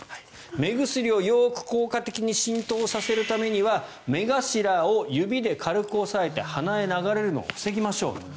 目薬をよく効果的に浸透させるためには目頭を指で軽く押さえて鼻へ流れるのを防ぎましょうと。